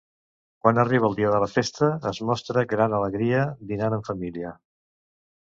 Quan arriba el dia de la festa es mostra gran alegria dinant en família.